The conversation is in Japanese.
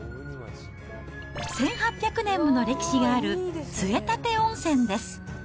１８００年もの歴史がある杖立温泉です。